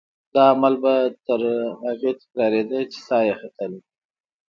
دا عمل به تر هغې تکرارېده چې سا یې ختله.